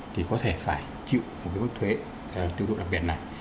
thì có thể phải chịu một cái mức thuế tiêu thụ đặc biệt này